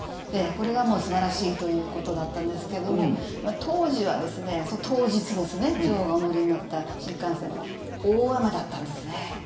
これがもう素晴らしいということだったんですけども当時は、当日ですね女王がお乗りになった新幹線は大雨だったんですね。